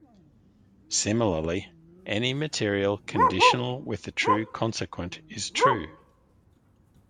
Similarly, any material conditional with a true consequent is true.